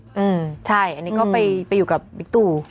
อืมใช่อันนี้ก็ไปอยู่กับบิ๊กตู